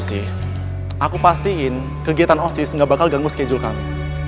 aku pastiin kegiatan osis gak bakal ganggu schedule kami